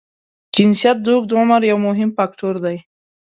جنسیت د اوږد عمر یو مهم فاکټور دی.